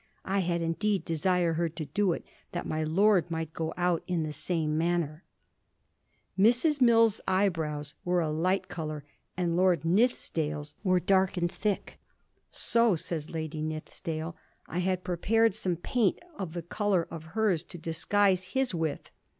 I had indeed desired her to do it, that my lord might go out in the same manner.' Mrs. Mills' eyebrows were a light colour, and Lord Nithisdale's were dark and thick. * So,' says Lady Nithisdale, * I had prepared some paint of the colour of hers to disguise his with.